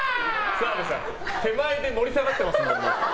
澤部さん、手前で盛り下がってます。